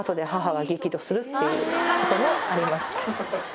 っていうこともありました。